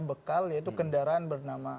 bekal yaitu kendaraan bernama